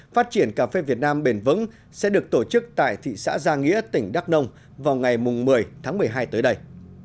phát triển cà phê việt nam bền vững sẽ được tổ chức tại thị xã gia nghĩa tỉnh đắk nông vào ngày một mươi tháng một mươi hai tới đây